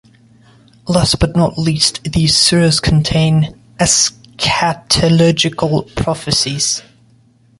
Last but not least these surahs contains eschatological prophecies.